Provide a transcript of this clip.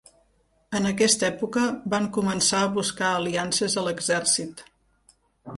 En aquesta època van començar a buscar aliances a l'exèrcit.